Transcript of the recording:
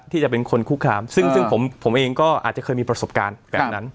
ที่จะเป็นคนคุกคามซึ่งผมเองก็อาจจะเคยมีประสบการณ์แบบนั้น